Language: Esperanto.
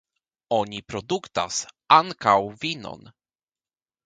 Oni produktas ankaŭ vinon.